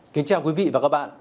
kính chào quý vị và các bạn